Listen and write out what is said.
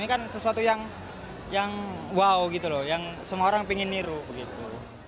ini kan sesuatu yang wow gitu loh yang semua orang ingin niru begitu